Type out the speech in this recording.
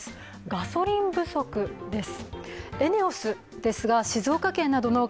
ガソリン不足です。